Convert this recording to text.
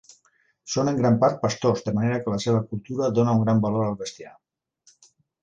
Són, en gran part, pastors, de manera que la seva cultura dona un gran valor al bestiar.